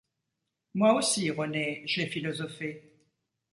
Moi aussi, Renée, j’ai philosophé.